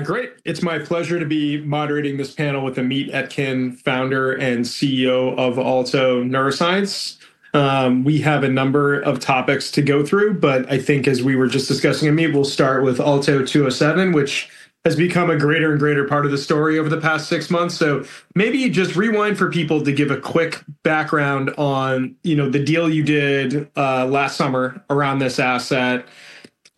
Great. It's my pleasure to be moderating this panel with Amit Etkin, Founder and CEO of Alto Neuroscience. We have a number of topics to go through, but I think as we were just discussing, Amit, we'll start with ALTO-207, which has become a greater and greater part of the story over the past six months. Maybe just rewind for people to give a quick background on, you know, the deal you did, last summer around this asset,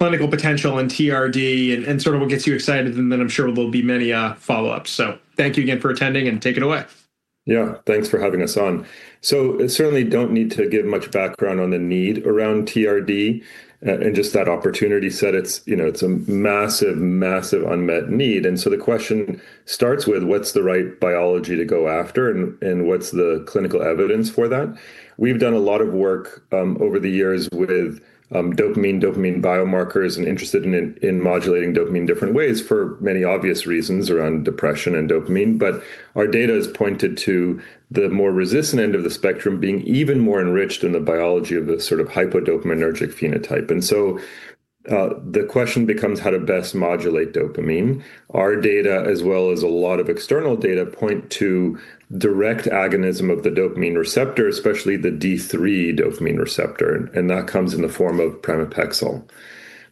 clinical potential and TRD, and sort of what gets you excited, and then I'm sure there'll be many follow-ups. Thank you again for attending, and take it away. Yeah. Thanks for having us on. Certainly don't need to give much background on the need around TRD and just that opportunity set. It's, you know, it's a massive unmet need. The question starts with what's the right biology to go after and what's the clinical evidence for that? We've done a lot of work over the years with dopamine biomarkers and interested in modulating dopamine in different ways for many obvious reasons around depression and dopamine. Our data has pointed to the more resistant end of the spectrum being even more enriched in the biology of the sort of hypodopaminergic phenotype. The question becomes how to best modulate dopamine. Our data, as well as a lot of external data, point to direct agonism of the dopamine receptor, especially the D3 dopamine receptor, and that comes in the form of pramipexole.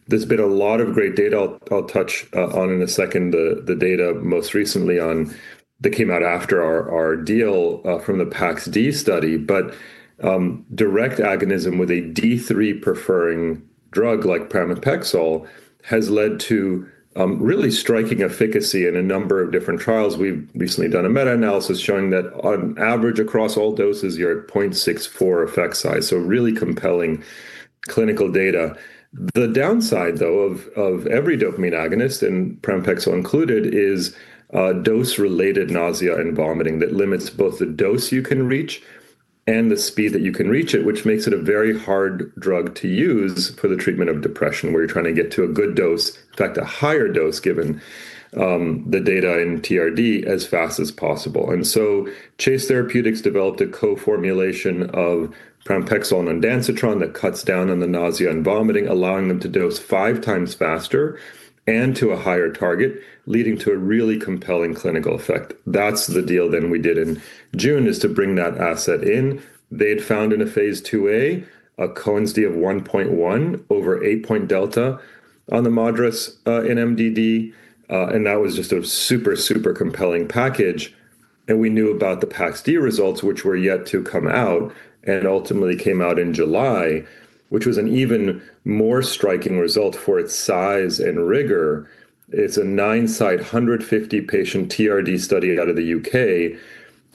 There's been a lot of great data I'll touch on in a second, the data most recently that came out after our deal from the PAX-D study. Direct agonism with a D3-preferring drug like pramipexole has led to really striking efficacy in a number of different trials. We've recently done a meta-analysis showing that on average across all doses, you're at 0.64 effect size, so really compelling clinical data. The downside, though, of every dopamine agonist, and pramipexole included, is dose-related nausea and vomiting that limits both the dose you can reach and the speed that you can reach it, which makes it a very hard drug to use for the treatment of depression, where you're trying to get to a good dose, in fact, a higher dose, given the data in TRD as fast as possible. Chase Therapeutics developed a co-formulation of pramipexole and ondansetron that cuts down on the nausea and vomiting, allowing them to dose five times faster and to a higher target, leading to a really compelling clinical effect. That's the deal then we did in June is to bring that asset in. They'd found in a phase IIa a Cohen's d of 1.1 over 8-point delta on the MADRS, in MDD, and that was just a super compelling package. We knew about the PAX-D results which were yet to come out and ultimately came out in July, which was an even more striking result for its size and rigor. It's a nine-site, 150-patient TRD study out of the U.K.,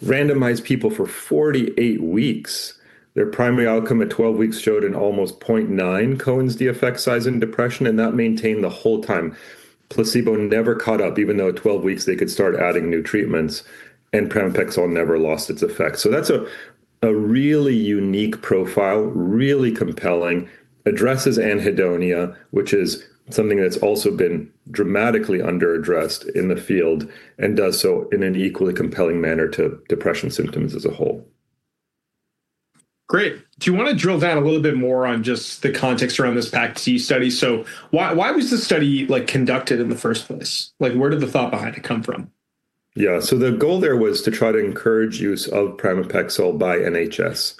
randomized people for 48 weeks. Their primary outcome at 12 weeks showed an almost 0.9 Cohen's d effect size in depression, and that maintained the whole time. Placebo never caught up, even though at 12 weeks they could start adding new treatments, and pramipexole never lost its effect. That's a really unique profile, really compelling, addresses anhedonia, which is something that's also been dramatically under-addressed in the field and does so in an equally compelling manner to depression symptoms as a whole. Great. Do you wanna drill down a little bit more on just the context around this PAX-D study? Why was this study, like, conducted in the first place? Like, where did the thought behind it come from? Yeah. The goal there was to try to encourage use of pramipexole by NHS.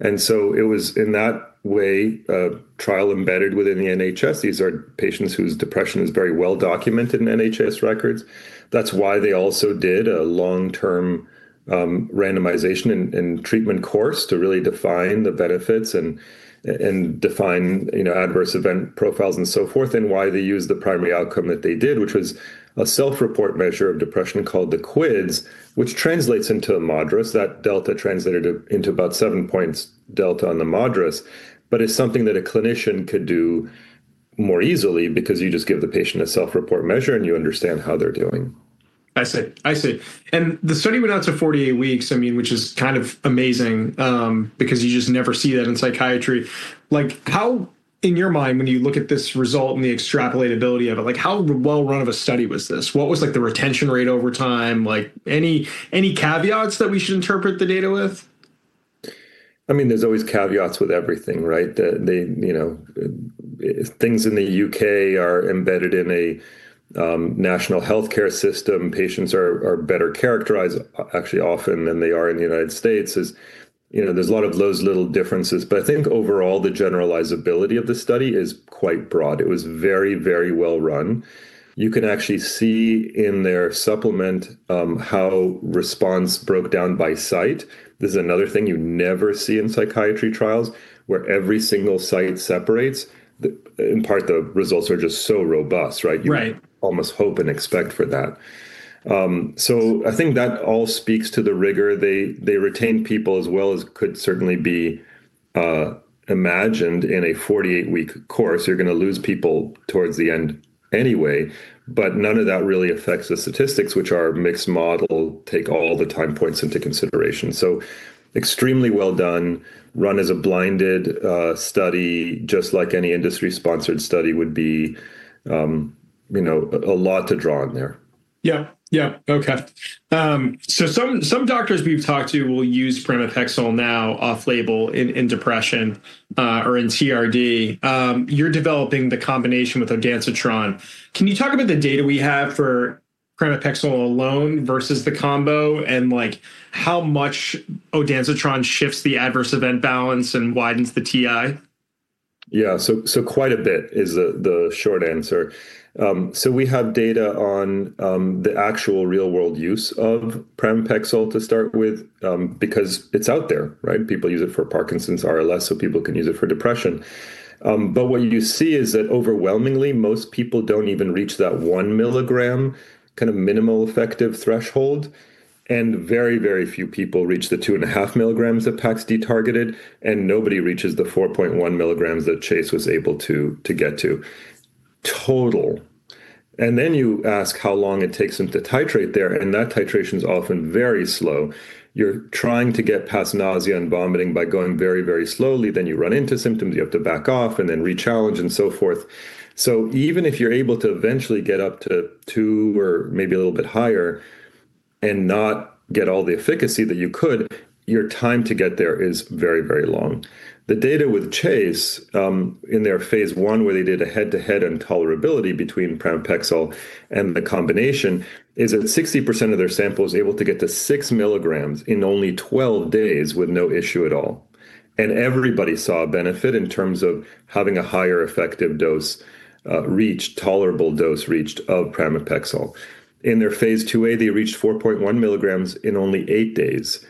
It was, in that way, a trial embedded within the NHS. These are patients whose depression is very well documented in NHS records. That's why they also did a long-term randomization and treatment course to really define the benefits and define, you know, adverse event profiles and so forth and why they used the primary outcome that they did, which was a self-report measure of depression called the QIDS, which translates into a MADRS. That delta translated into about seven points delta on the MADRS, but it's something that a clinician could do more easily because you just give the patient a self-report measure, and you understand how they're doing. I see. The study went out to 48 weeks, I mean, which is kind of amazing, because you just never see that in psychiatry. Like, how in your mind when you look at this result and the extrapolability of it, like, how well run of a study was this? What was, like, the retention rate over time? Like, any caveats that we should interpret the data with? I mean, there's always caveats with everything, right? Things in the U.K. are embedded in a national healthcare system. Patients are better characterized actually often than they are in the United States. As you know, there's a lot of those little differences, but I think overall the generalizability of the study is quite broad. It was very well run. You can actually see in their supplement how response broke down by site. This is another thing you never see in psychiatry trials where every single site separates. In part, the results are just so robust, right? You almost hope and expect for that. I think that all speaks to the rigor. They retained people as well as could certainly be imagined in a 48-week course. You're gonna lose people towards the end anyway, but none of that really affects the statistics, which are mixed model, take all the time points into consideration. Extremely well done, run as a blinded study, just like any industry-sponsored study would be. You know, a lot to draw on there. Yeah. Okay. Some doctors we've talked to will use pramipexole now off-label in depression or in TRD. You're developing the combination with ondansetron. Can you talk about the data we have for pramipexole alone versus the combo, and like how much ondansetron shifts the adverse event balance and widens the TI? Yeah. Quite a bit is the short answer. We have data on the actual real-world use of pramipexole to start with, because it's out there, right? People use it for Parkinson's, RLS, so people can use it for depression. But what you see is that overwhelmingly most people don't even reach that 1 mg kind of minimal effective threshold, and very, very few people reach the 2.5 mg that PAX-D targeted, and nobody reaches the 4.1 mg that Chase was able to get to total. Then you ask how long it takes them to titrate there, and that titration is often very slow. You're trying to get past nausea and vomiting by going very, very slowly, then you run into symptoms, you have to back off and then re-challenge and so forth. Even if you're able to eventually get up to two or maybe a little bit higher and not get all the efficacy that you could, your time to get there is very, very long. The data with Chase in their phase I where they did a head-to-head and tolerability between pramipexole and the combination is that 60% of their sample is able to get to 6 mg in only 12 days with no issue at all. Everybody saw a benefit in terms of having a higher effective dose, tolerable dose reached of pramipexole. In their phase IIa, they reached 4.1 mg in only eight days.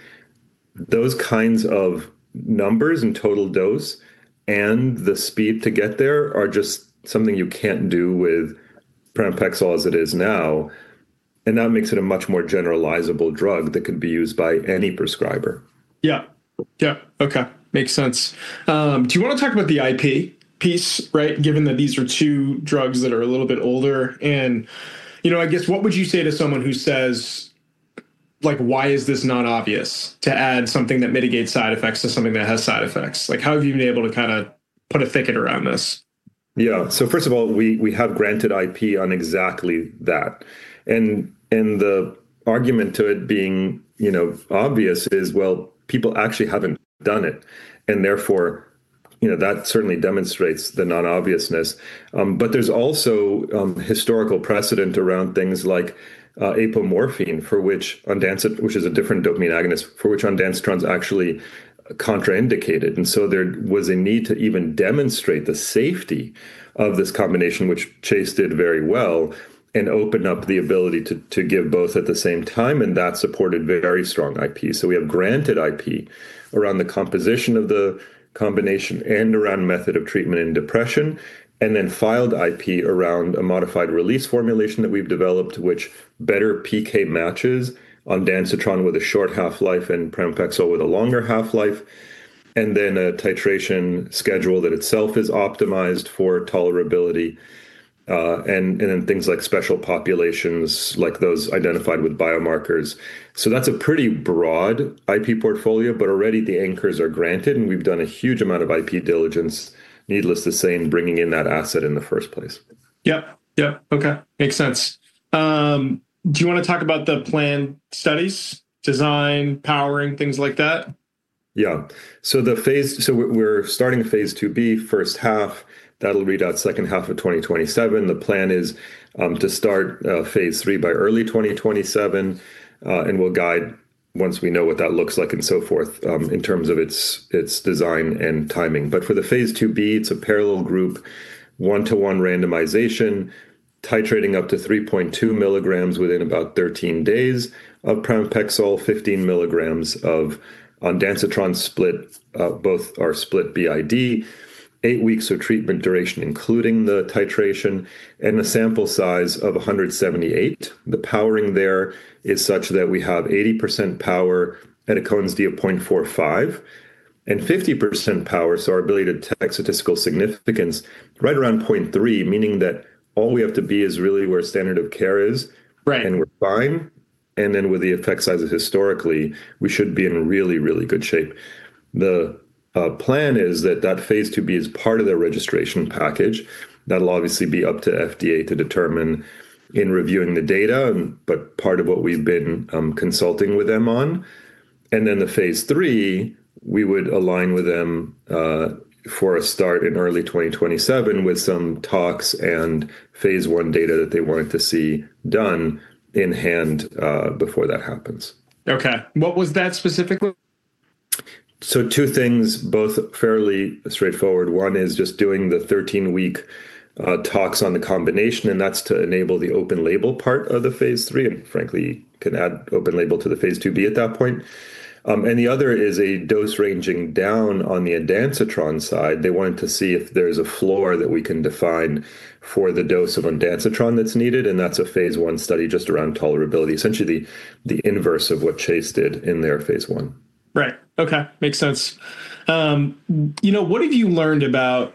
Those kinds of numbers and total dose and the speed to get there are just something you can't do with pramipexole as it is now, and that makes it a much more generalizable drug that could be used by any prescriber. Yeah. Yeah. Okay. Makes sense. Do you wanna talk about the IP piece, right? Given that these are two drugs that are a little bit older and, you know, I guess, what would you say to someone who says, like, "Why is this not obvious to add something that mitigates side effects to something that has side effects?" Like, how have you been able to kinda put a thicket around this? Yeah. First of all, we have granted IP on exactly that. The argument to it being, you know, obvious is, well, people actually haven't done it, and therefore, you know, that certainly demonstrates the non-obviousness. But there's also historical precedent around things like apomorphine, which is a different dopamine agonist, for which ondansetron is actually contraindicated. There was a need to even demonstrate the safety of this combination, which Chase did very well and opened up the ability to give both at the same time, and that supported very strong IP. We have granted IP around the composition of the combination and around method of treatment in depression, and then filed IP around a modified release formulation that we've developed which better PK matches ondansetron with a short half-life and pramipexole with a longer half-life, and then a titration schedule that itself is optimized for tolerability, and then things like special populations like those identified with biomarkers. That's a pretty broad IP portfolio, but already the anchors are granted, and we've done a huge amount of IP diligence, needless to say, in bringing in that asset in the first place. Yep. Okay. Makes sense. Do you wanna talk about the planned studies, design, powering, things like that? Yeah. We're starting a phase IIb first half. That'll read out second half of 2027. The plan is to start phase III by early 2027, and we'll guide once we know what that looks like and so forth, in terms of its design and timing. For the phase IIb, it's a parallel group, 1:1 randomization, titrating up to 3.2 mg within about 13 days of pramipexole, 15 mg of ondansetron split, both are split BID, eight weeks of treatment duration, including the titration, and a sample size of 178. The powering there is such that we have 80% power at a Cohen's d of 0.45, and 50% power, so our ability to detect statistical significance right around 0.3, meaning that all we have to be is really where standard of care is. We're fine. With the effect sizes historically, we should be in really, really good shape. The plan is that phase IIb is part of the registration package. That'll obviously be up to FDA to determine in reviewing the data, but part of what we've been consulting with them on. The phase III, we would align with them for a start in early 2027 with some talks and phase I data that they wanted to see done in hand before that happens. Okay. What was that specifically? Two things, both fairly straightforward. One is just doing the 13-week tox on the combination, and that's to enable the open label part of the phase III, and frankly can add open label to the phase IIb at that point. The other is a dose ranging down on the ondansetron side. They wanted to see if there is a floor that we can define for the dose of ondansetron that's needed, and that's a phase I study just around tolerability, essentially the inverse of what Chase did in their phase I. Right. Okay. Makes sense. You know, what have you learned about,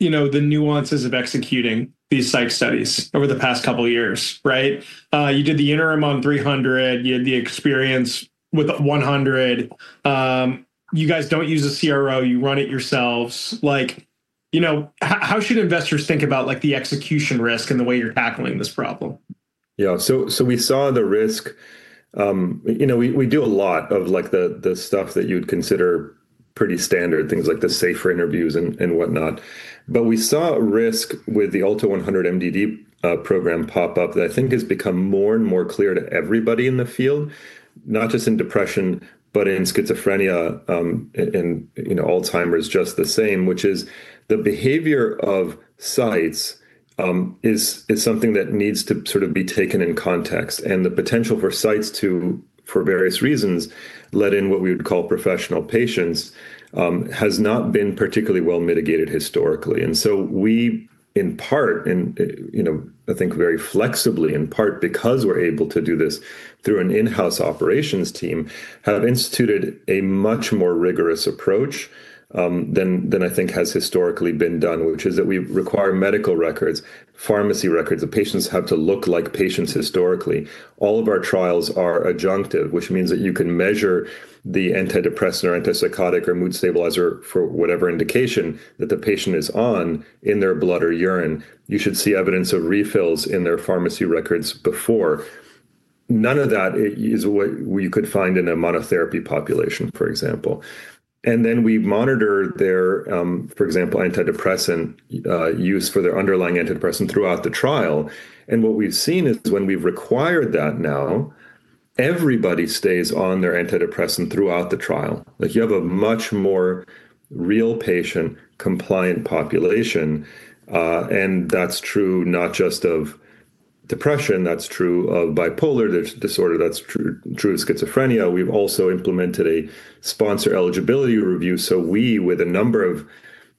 you know, the nuances of executing these psych studies over the past couple of years, right? You did the interim on ALTO-300, you had the experience with ALTO-100. You guys don't use a CRO, you run it yourselves. You know, how should investors think about like the execution risk and the way you're tackling this problem? We saw the risk, you know, we do a lot of like the stuff that you'd consider pretty standard, things like the SAFER interviews and whatnot. We saw a risk with the ALTO-100 MDD program pop up that I think has become more and more clear to everybody in the field, not just in depression, but in schizophrenia, and, you know, Alzheimer's just the same, which is the behavior of sites, is something that needs to sort of be taken in context. The potential for sites to, for various reasons, let in what we would call professional patients, has not been particularly well mitigated historically. We in part, and, you know, I think very flexibly in part because we're able to do this through an in-house operations team, have instituted a much more rigorous approach, than I think has historically been done which is that we require medical records, pharmacy records. The patients have to look like patients historically. All of our trials are adjunctive, which means that you can measure the antidepressant or antipsychotic or mood stabilizer for whatever indication that the patient is on in their blood or urine. You should see evidence of refills in their pharmacy records before. None of that is what we could find in a monotherapy population, for example. We monitor their, for example, antidepressant use for their underlying antidepressant throughout the trial. What we've seen is when we've required that now, everybody stays on their antidepressant throughout the trial. Like you have a much more real patient compliant population. And that's true not just of depression, that's true of bipolar disorder, that's true of schizophrenia. We've also implemented a sponsor eligibility review. We, with a number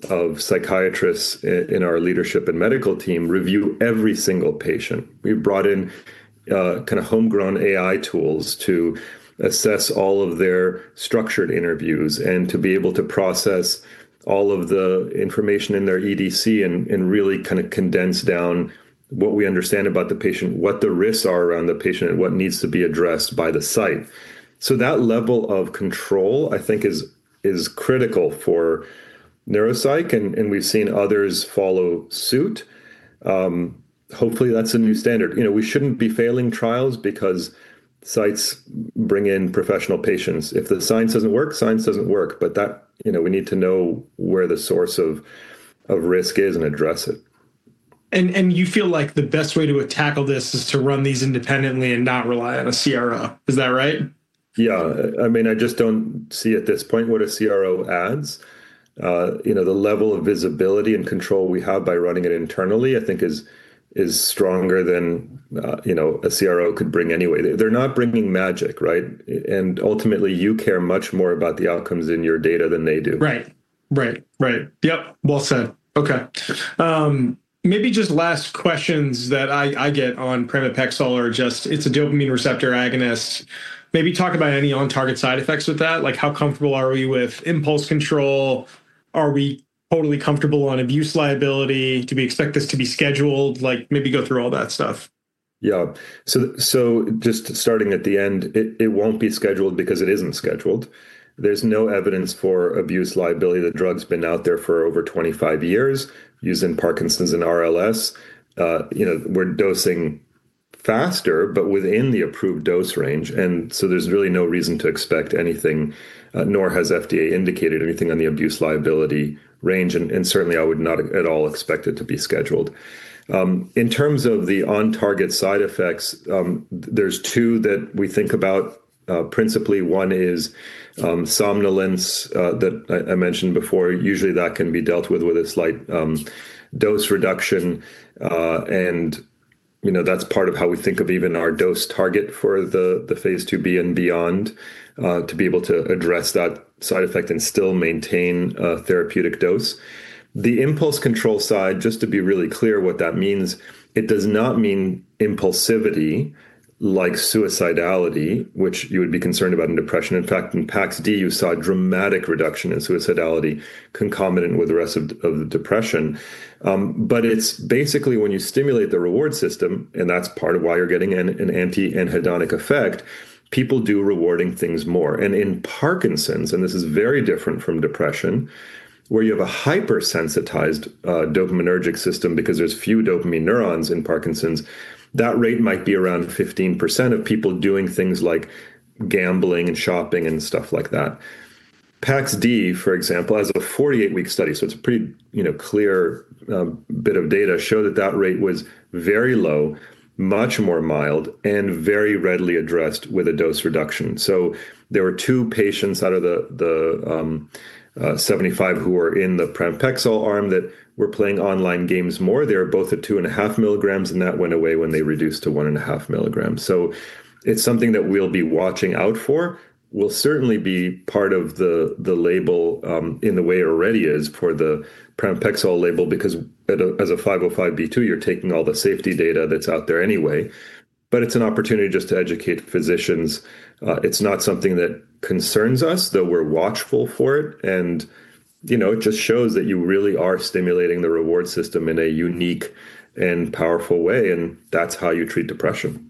of psychiatrists in our leadership and medical team, review every single patient. We've brought in kinda homegrown AI tools to assess all of their structured interviews and to be able to process all of the information in their EDC and really kinda condense down what we understand about the patient, what the risks are around the patient, and what needs to be addressed by the site. That level of control, I think, is critical for neuropsych, and we've seen others follow suit. Hopefully, that's a new standard. You know, we shouldn't be failing trials because sites bring in professional patients. If the science doesn't work, science doesn't work, but that, you know, we need to know where the source of risk is and address it. You feel like the best way to tackle this is to run these independently and not rely on a CRO. Is that right? Yeah. I mean, I just don't see at this point what a CRO adds. You know, the level of visibility and control we have by running it internally, I think, is stronger than you know, a CRO could bring anyway. They're not bringing magic, right? Ultimately, you care much more about the outcomes in your data than they do. Right. Yep. Well said. Okay. Maybe just last questions that I get on pramipexole are just it's a dopamine receptor agonist. Maybe talk about any on-target side effects with that. Like how comfortable are we with impulse control? Are we totally comfortable on abuse liability? Do we expect this to be scheduled? Like maybe go through all that stuff. Just starting at the end, it won't be scheduled because it isn't scheduled. There's no evidence for abuse liability. The drug's been out there for over 25 years used in Parkinson's and RLS. You know, we're dosing faster, but within the approved dose range, and so there's really no reason to expect anything, nor has FDA indicated anything on the abuse liability range, and certainly I would not at all expect it to be scheduled. In terms of the on-target side effects, there's two that we think about. Principally one is somnolence that I mentioned before. Usually, that can be dealt with a slight dose reduction. You know, that's part of how we think of even our dose target for the phase IIb and beyond, to be able to address that side effect and still maintain a therapeutic dose. The impulse control side, just to be really clear what that means, it does not mean impulsivity like suicidality, which you would be concerned about in depression. In fact, in PAX-D, you saw a dramatic reduction in suicidality concomitant with the rest of the depression. It's basically when you stimulate the reward system, and that's part of why you're getting an anti-anhedonic effect, people do rewarding things more. In Parkinson's, this is very different from depression, where you have a hypersensitized dopaminergic system because there's few dopamine neurons in Parkinson's, that rate might be around 15% of people doing things like gambling and shopping and stuff like that. PAX-D, for example, has a 48-week study, so it's a pretty, you know, clear bit of data, show that that rate was very low, much more mild, and very readily addressed with a dose reduction. There were two patients out of the 75 who were in the pramipexole arm that were playing online games more. They were both at 2.5 mg, and that went away when they reduced to 1.5 mg. It's something that we'll be watching out for will certainly be part of the label in the way it already is for the pramipexole label because as a 505(b)(2), you're taking all the safety data that's out there anyway. It's an opportunity just to educate physicians. It's not something that concerns us, though we're watchful for it. You know, it just shows that you really are stimulating the reward system in a unique and powerful way, and that's how you treat depression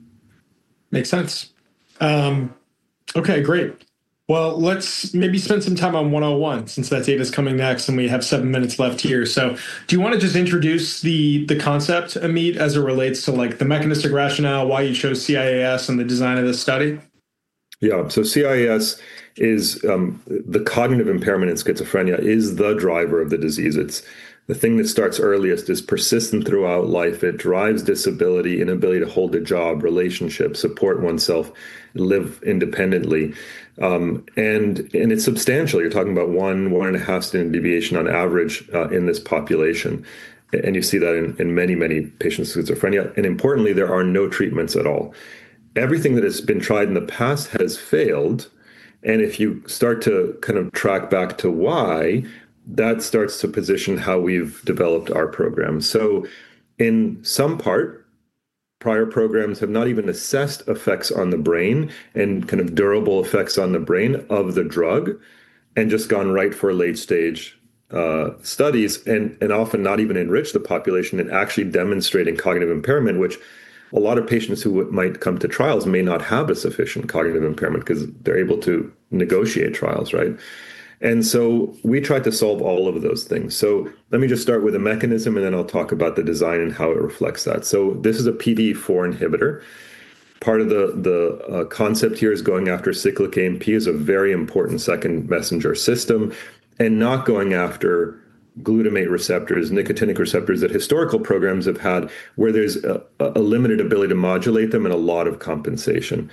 Makes sense. Okay, great. Well, let's maybe spend some time on ALTO-101 since that data's coming next, and we have seven minutes left here. Do you wanna just introduce the concept, Amit, as it relates to, like, the mechanistic rationale, why you chose CIAS and the design of this study? Yeah. CIAS is the cognitive impairment in schizophrenia is the driver of the disease. It's the thing that starts earliest. It's persistent throughout life. It drives disability, inability to hold a job, relationships, support oneself, live independently. And it's substantial. You're talking about 1.5 standard deviation on average in this population, and you see that in many patients with schizophrenia. Importantly, there are no treatments at all. Everything that has been tried in the past has failed, and if you start to kind of track back to why, that starts to position how we've developed our program. In some part, prior programs have not even assessed effects on the brain and kind of durable effects on the brain of the drug and just gone right for late-stage studies and often not even enrich the population in actually demonstrating cognitive impairment, which a lot of patients who might come to trials may not have a sufficient cognitive impairment 'cause they're able to negotiate trials, right? We tried to solve all of those things. Let me just start with a mechanism, and then I'll talk about the design and how it reflects that. This is a PDE4 inhibitor. Part of the concept here is going after cyclic AMP is a very important second messenger system and not going after glutamate receptors, nicotinic receptors that historical programs have had where there's a limited ability to modulate them and a lot of compensation.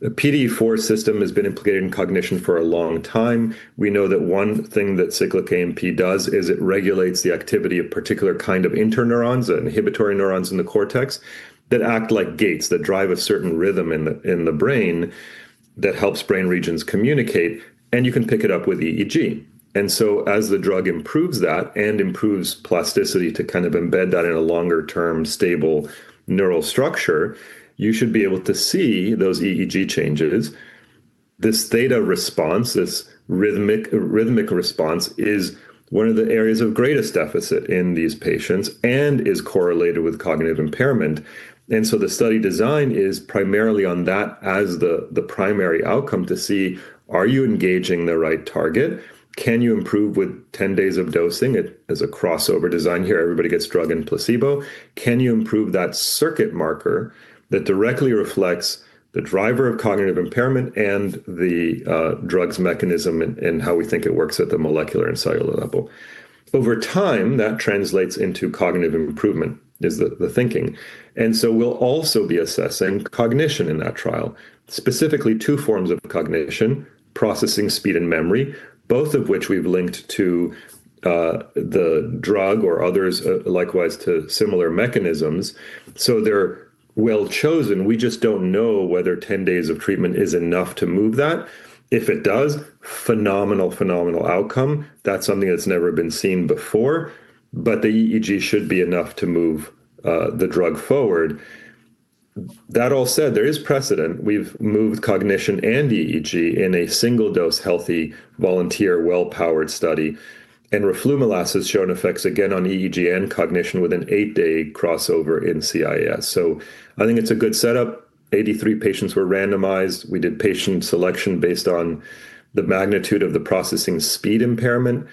The PDE4 system has been implicated in cognition for a long time. We know that one thing that cyclic AMP does is it regulates the activity of particular kind of interneurons, the inhibitory neurons in the cortex, that act like gates that drive a certain rhythm in the brain that helps brain regions communicate, and you can pick it up with EEG. As the drug improves that and improves plasticity to kind of embed that in a longer-term, stable neural structure, you should be able to see those EEG changes. This theta response, this rhythmic response, is one of the areas of greatest deficit in these patients and is correlated with cognitive impairment. The study design is primarily on that as the primary outcome to see are you engaging the right target? Can you improve with 10 days of dosing? It is a crossover design here. Everybody gets drug and placebo. Can you improve that circuit marker that directly reflects the driver of cognitive impairment and the drug's mechanism and how we think it works at the molecular and cellular level? Over time, that translates into cognitive improvement is the thinking. We'll also be assessing cognition in that trial, specifically two forms of cognition, processing speed and memory, both of which we've linked to the drug or others likewise to similar mechanisms. They're well-chosen. We just don't know whether 10 days of treatment is enough to move that. If it does, phenomenal outcome. That's something that's never been seen before, but the EEG should be enough to move the drug forward. That all said, there is precedent. We've moved cognition and EEG in a single-dose healthy volunteer well-powered study, and roflumilast has shown effects again on EEG and cognition with an eight-day crossover in CIAS. I think it's a good setup. 83 patients were randomized. We did patient selection based on the magnitude of the processing speed impairment.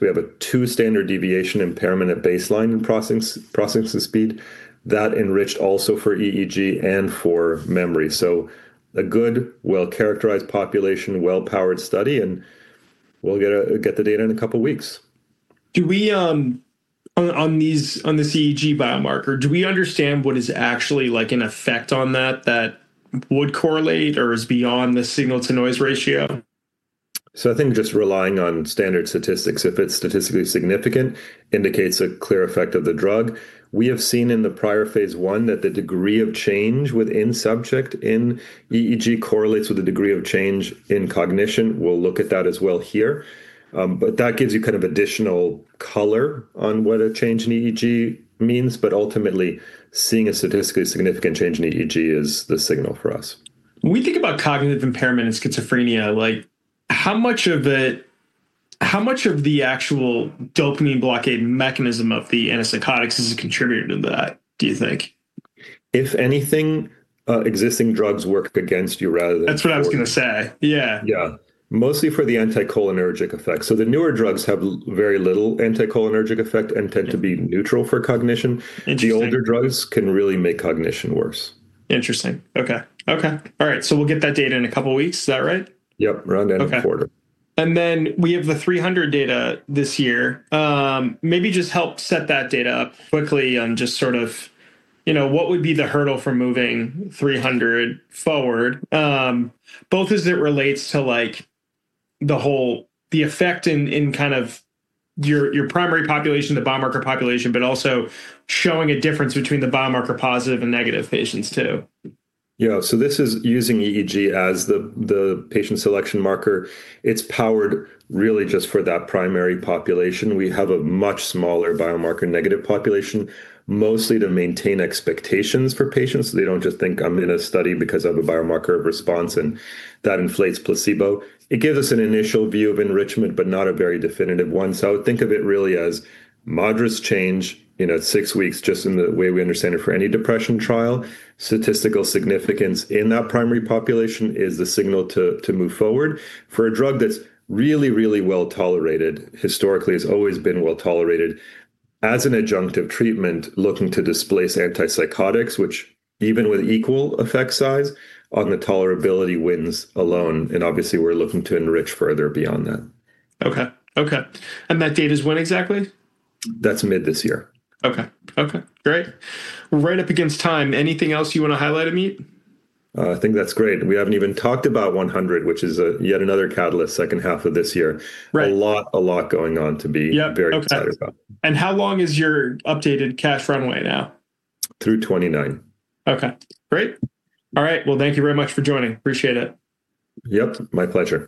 We have a two standard deviation impairment at baseline in processing speed. That enriched also for EEG and for memory. A good well-characterized population, well-powered study, and we'll get the data in a couple weeks. Do we, on this EEG biomarker, do we understand what is actually, like, an effect on that that would correlate or is beyond the signal-to-noise ratio? I think just relying on standard statistics, if it's statistically significant, indicates a clear effect of the drug. We have seen in the prior phase I that the degree of change within subject in EEG correlates with the degree of change in cognition. We'll look at that as well here. That gives you kind of additional color on what a change in EEG means, but ultimately, seeing a statistically significant change in EEG is the signal for us. When we think about cognitive impairment in schizophrenia, like, how much of the actual dopamine blockade mechanism of the antipsychotics is a contributor to that, do you think? If anything, existing drugs work against you rather than- That's what I was gonna say. Yeah. Yeah. Mostly for the anticholinergic effects. The newer drugs have very little anticholinergic effect and tend to be neutral for cognition. The older drugs can really make cognition worse. Interesting. Okay. All right. We'll get that data in a couple weeks. Is that right? Yep. Around end of the quarter. Okay. We have the ALTO-300 data this year. Maybe just help set that data up quickly on just sort of, you know, what would be the hurdle for moving ALTO-300 forward, both as it relates to, like, the effect in kind of your primary population, the biomarker population, but also showing a difference between the biomarker positive and negative patients too. Yeah. This is using EEG as the patient selection marker. It's powered really just for that primary population. We have a much smaller biomarker negative population, mostly to maintain expectations for patients so they don't just think I'm in a study because of a biomarker response and that inflates placebo. It gives us an initial view of enrichment but not a very definitive one. I would think of it really as moderate change, you know, at six weeks, just in the way we understand it for any depression trial. Statistical significance in that primary population is the signal to move forward. For a drug that's really, really well-tolerated, historically has always been well-tolerated, as an adjunctive treatment looking to displace antipsychotics, which even with equal effect size on the tolerability wins alone, and obviously, we're looking to enrich further beyond that. Okay. And that date is when exactly? That's mid this year. Okay. Great. We're right up against time. Anything else you wanna highlight, Amit? I think that's great. We haven't even talked about ALTO-100, which is yet another catalyst second half of this year. A lot going on to be very excited about. How long is your updated cash runway now? Through 2029. Okay. Great. All right. Well, thank you very much for joining. Appreciate it. Yep. My pleasure.